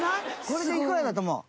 これでいくらだと思う？